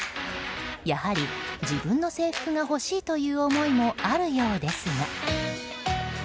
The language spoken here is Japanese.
やはり自分の制服が欲しいという思いもあるようですが。